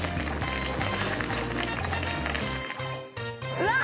うわっ！